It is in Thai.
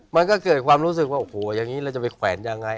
มันก็เกิดความรู้สึกว่าโอ้โหอย่างนี้เราจะไปแขวนยังไง